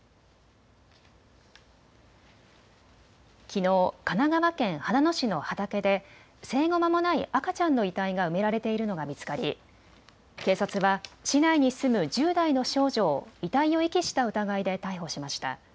きのう神奈川県秦野市の畑で生後まもない赤ちゃんの遺体が埋められているのが見つかり警察は市内に住む１０代の少女を遺体を遺棄した疑いで逮捕しました。